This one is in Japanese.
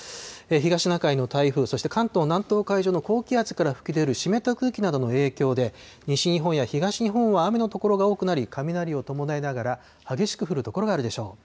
東シナ海の台風、そして関東、南東の海上、高気圧からふき出る湿った空気などの影響で、西日本や東日本は雨の所が多くなり、雷を伴いながら、激しく降る所があるでしょう。